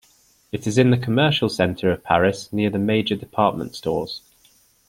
It is in the commercial centre of Paris, near the major department stores.